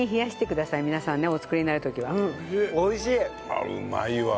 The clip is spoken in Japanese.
あっうまいわ。